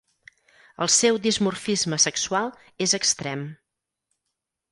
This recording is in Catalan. El seu dimorfisme sexual és extrem.